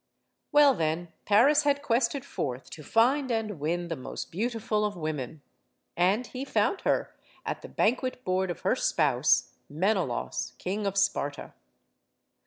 Well, then, Paris had quested forth to find and win the most beautiful of women. And he found her at the banquet board of her spouse, Menelaus, King of Sparta.